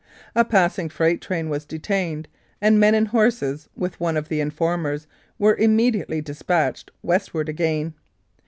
A passing freight train was detained, and men and horses, with one of the informers, were immediately dispatched westward again.